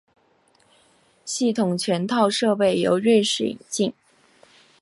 系统全套设备由瑞士引进。